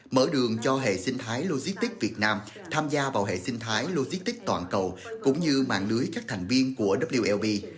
mở đường cho hệ sinh thái logistic việt nam tham gia vào hệ sinh thái logistics toàn cầu cũng như mạng lưới các thành viên của wlb